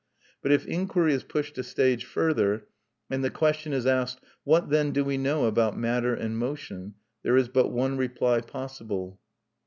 But if inquiry is pushed a stage further, and the question is asked, What, then, do we know about matter and motion? there is but one reply possible.